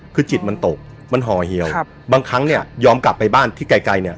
คือจิตมันตกมันห่อเหี่ยวบางครั้งเนี่ยยอมกลับไปบ้านที่ไกลไกลเนี่ย